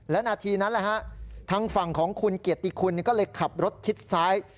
และนาทีนั้นทางฝั่งของคุณเกียรติคุณก็เลยขับรถชิดซ้าย